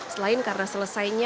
selain karena selesainya